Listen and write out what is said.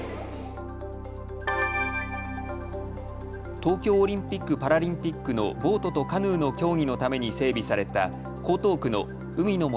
東京オリンピック・パラリンピックのボートとカヌーの競技のために整備された江東区の海の森